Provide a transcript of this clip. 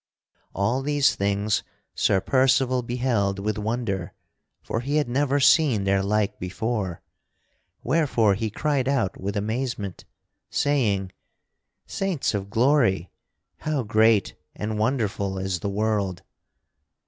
All these things Sir Percival beheld with wonder for he had never seen their like before; wherefore he cried out with amazement, saying: "Saints of Glory! How great and wonderful is the world!"